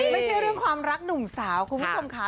ไม่ใช่เรื่องความรักหนุ่มสาวคุณผู้ชมค่ะ